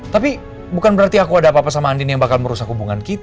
tapi bukan berarti aku ada apa apa sama andin yang bakal merusak hubungan kita